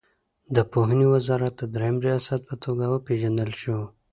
د پوهنې وزارت د دریم ریاست په توګه وپېژندل شوه.